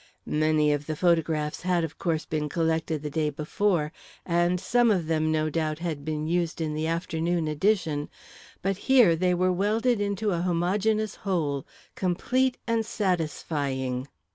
Many of the photographs had, of course, been collected the day before, and some of them, no doubt, had been used in the afternoon edition, but here they were welded into a homogeneous whole, complete and satisfying.